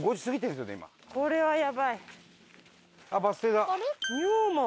これはやばい。